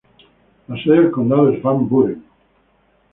La sede del condado es Van Buren.